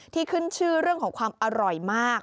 ขึ้นชื่อเรื่องของความอร่อยมาก